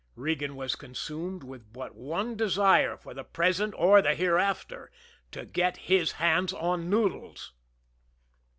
Regan was consumed with but one desire for the present or the hereafter to get his hands on Noodles.